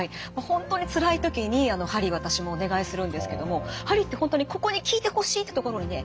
本当につらい時に鍼私もお願いするんですけども鍼って本当に「ここに効いてほしい！」って所にね